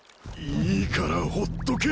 いいからほっとけ！